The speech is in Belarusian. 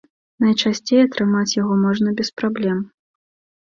Найчасцей атрымаць яго можна без праблем.